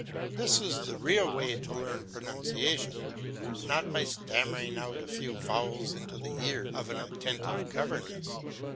This is the real way to learn pronunciation, not by stammering out a few vowels into the ear of an attentive governess.